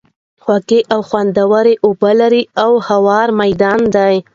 خوږې او خوندوَري اوبه لري، او هوار ميدان دی